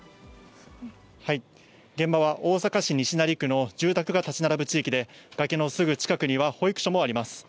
現場は大阪市西成区の住宅が建ち並ぶ地域で、崖のすぐ近くには保育所もあります。